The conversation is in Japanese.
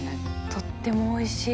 とってもおいしい。